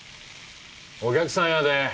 お客さんやで！